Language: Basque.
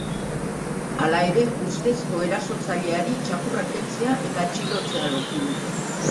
Hala ere, ustezko erasotzaileari txakurra kentzea eta atxilotzea lortu dute.